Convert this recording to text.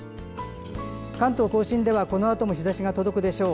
関東・甲信ではこのあとも日ざしが届くでしょう。